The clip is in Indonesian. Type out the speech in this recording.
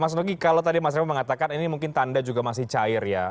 mas nugi kalau tadi mas revo mengatakan ini mungkin tanda juga masih cair ya